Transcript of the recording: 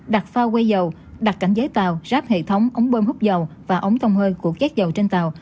đặt phao quay dầu đặt cảnh giấy tàu ráp hệ thống ống bơm hút dầu và ống tông hơi của chiếc dầu trên tàu